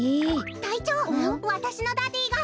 たいちょうわたしのダディーが！